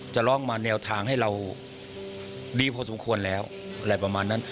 จะร้องมาแนวทางให้เราดีพอสมควรแล้วอะไรประมาณนั้น